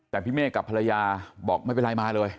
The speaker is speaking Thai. แต่พี่เมฆกับภรรยาบอกไม่เป็นไรมาเลย